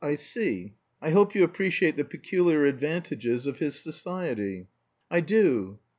I see. I hope you appreciate the peculiar advantages of his society?" "I do.